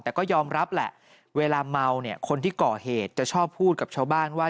แต่ก็ยอมรับแหละเวลาเมาเนี่ยคนที่ก่อเหตุจะชอบพูดกับชาวบ้านว่า